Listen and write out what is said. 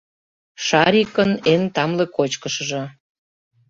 Шарикын эн тамле кочкышыжо.